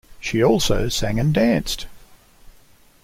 She also sang and danced.